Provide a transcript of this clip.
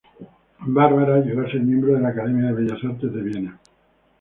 Barbara llegó a ser miembro de la Academia de Bellas Artes de Viena.